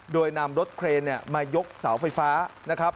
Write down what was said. โดยนำรถเครนมายกเสาไฟฟ้านะครับ